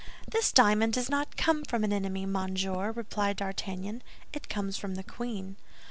"This diamond does not come from an enemy, monsieur," replied D'Artagnan, "it comes from the queen."